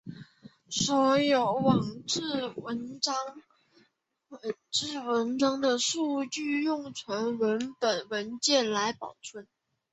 所有网志文章的数据用纯文本文件来保存。